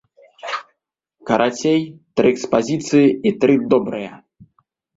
Карацей, тры экспазіцыі і тры добрыя!